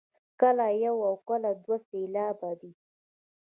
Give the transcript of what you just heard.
کله یو او کله دوه سېلابه دی.